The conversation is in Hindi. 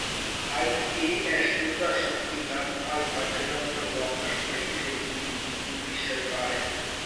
आईएएस दुर्गा शक्ति नागपाल का निलंबन वापस नहीं लेगी यूपी सरकार